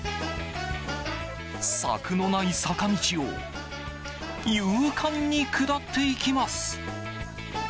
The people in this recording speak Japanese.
柵のない坂道を勇敢に下っていきます。